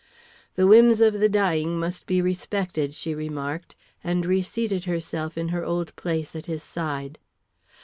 "The whims of the dying must be respected," she remarked, and reseated herself in her old place at his side.